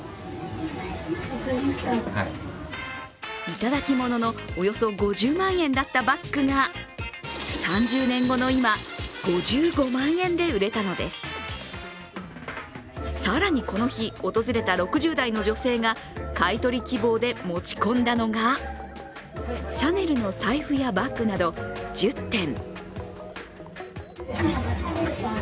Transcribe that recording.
いただき物のおよそ５０万円だったバッグが３０年後の今、５５万円で売れたのです更に、この日訪れた６０代の女性が買い取り希望で持ち込んだのがシャネルの財布やバッグなど１０点。